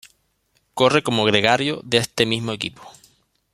Corre como gregario de este mismo equipo.